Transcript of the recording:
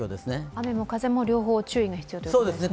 雨も風も両方注意が必要ということですね。